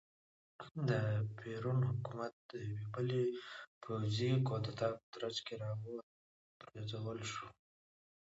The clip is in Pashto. د پېرون حکومت د یوې بلې پوځي کودتا په ترڅ کې را وپرځول شو.